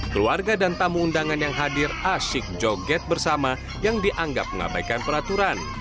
keluarga dan tamu undangan yang hadir asyik joget bersama yang dianggap mengabaikan peraturan